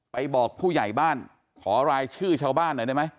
บอกผู้ใหญ่บ้านขอรายชื่อชาวบ้านหน่อยได้ไหม